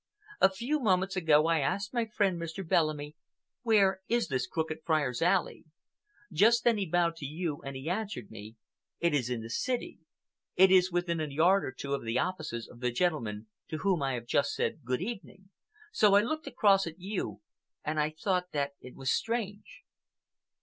A few moments ago I asked my friend Mr. Bellamy, 'Where is this Crooked Friars' Alley?' Just then he bowed to you, and he answered me, 'It is in the city. It is within a yard or two of the offices of the gentleman to whom I just have said good evening.' So I looked across at you and I thought that it was strange."